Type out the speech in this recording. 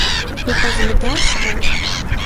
Укъэзымыда щыӏэ?